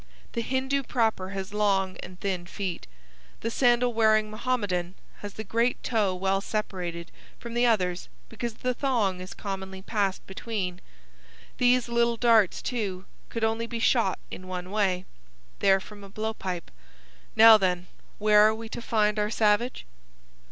The Hindoo proper has long and thin feet. The sandal wearing Mohammedan has the great toe well separated from the others, because the thong is commonly passed between. These little darts, too, could only be shot in one way. They are from a blow pipe. Now, then, where are we to find our savage?"